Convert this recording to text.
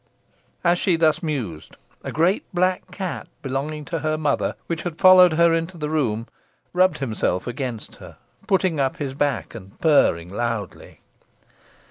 As she thus mused, a great black cat belonging to her mother, which had followed her into the room, rubbed himself against her, putting up his back, and purring loudly.